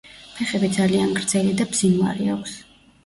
ფეხები ძალიან გრძელი და ბზინვარე აქვს.